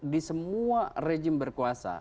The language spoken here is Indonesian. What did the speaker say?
di semua rejim berkuasa